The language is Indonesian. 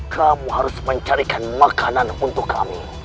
kamu harus mencarikan makanan untuk kami